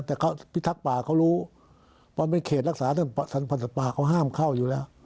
แต่พี่ทักป่าเขารู้เป็นเขตรักษาสันพันธุ์ป่าเขาห้ามเข้าอยู่แล้ว